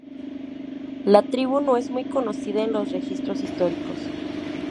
La tribu no es muy conocida en los registros históricos.